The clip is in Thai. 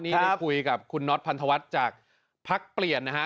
นี่ได้คุยกับคุณน็อตพันธวัฒน์จากพักเปลี่ยนนะฮะ